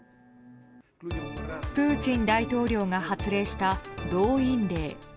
プーチン大統領が発令した動員令。